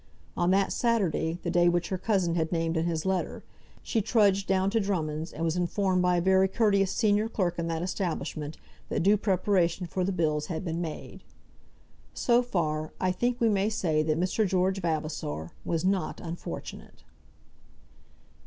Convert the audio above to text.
On that Saturday, the day which her cousin had named in his letter, she trudged down to Drummonds', and was informed by a very courteous senior clerk in that establishment, that due preparation for the bills had been made. So far, I think we may say that Mr. George Vavasor was not unfortunate.